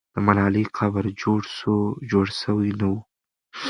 د ملالۍ قبر جوړ سوی نه وو.